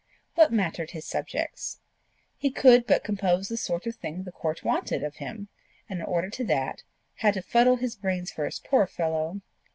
What mattered his subjects? He could but compose the sort of thing the court wanted of him, and in order to that, had to fuddle his brains first, poor fellow!